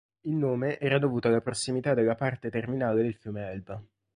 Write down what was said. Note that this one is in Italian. Il nome era dovuto alla prossimità della parte terminale del fiume Elba.